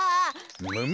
むむ！